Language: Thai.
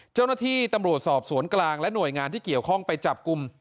เจ้าหน้าที่ตำรวจสอบสวนกลางและหน่วยงานที่เกี่ยวข้องไปจับกลุ่ม